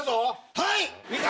はい！